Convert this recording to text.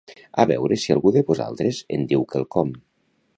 A veure si algú de vosaltres en diu quelcom.